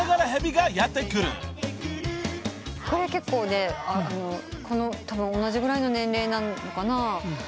これは結構ね同じぐらいの年齢なのかな。